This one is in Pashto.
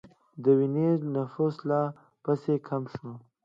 د وینز نفوس لا پسې کم شو